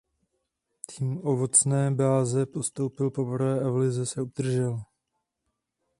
Tým Ovocné Báze postoupil poprvé a v lize se udržel.